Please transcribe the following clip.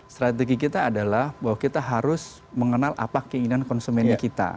strategi kita adalah bahwa kita harus mengenal apa keinginan konsumen kita